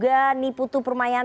bahkan sapa perumahan